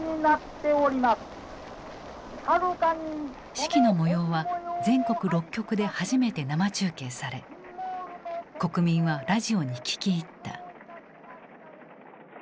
式の模様は全国６局で初めて生中継され国民はラジオに聞き入った。